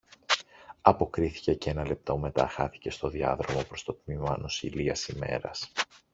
αποκρίθηκε και ένα λεπτό μετά χάθηκε στο διάδρομο προς το τμήμα νοσηλείας ημέρας